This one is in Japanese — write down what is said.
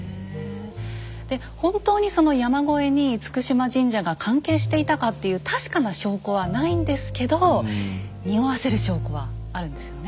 で本当にその山越えに嚴島神社が関係していたかっていう確かな証拠はないんですけどにおわせる証拠はあるんですよね。